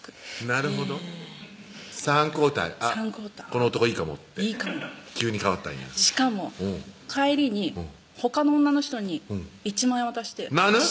なるほど「三交代あっこの男いいかも」って急に変わったんやしかも帰りにほかの女の人に１万円渡してなぬ？